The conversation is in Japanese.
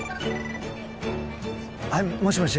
はいもしもし？